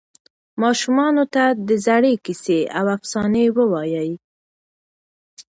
ماشومانو ته د زړې کیسې او افسانې ووایئ.